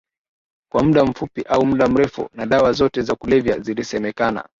kwa muda mfupi au muda mrefu na dawa zote za kulevya zilisemekana